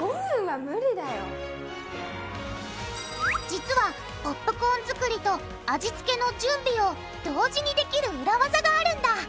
実はポップコーン作りと味付けの準備を同時にできる裏ワザがあるんだ。